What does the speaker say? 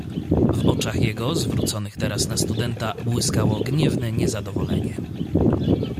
"W oczach jego zwróconych teraz na studenta błyskało gniewne niezadowolenie."